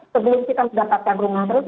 sebelum kita mendapatkan rumah